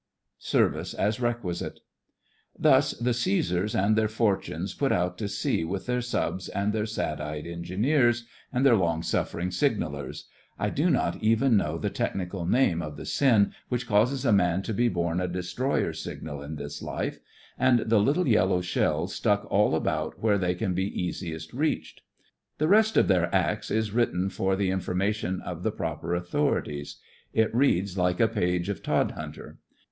"service as requisite" Thus the Csesars and their fortunes put out to sea with their subs and their sad eyed engineers, and their long suffering signallers — I do not even know the technical name of the sin which causes a man to be born a destroyer signaller in this life — and the little yellow shells stuck all about where they can be easiest reached. The rest of their acts is written for the information of the proper au thorities. It reads like a page of Todhunter.